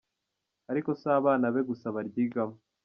Ariko si abana be gusa baryigamo.